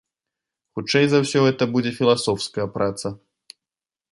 Хутчэй за ўсё, гэта будзе філасофская праца.